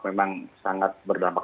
memang sangat berdampak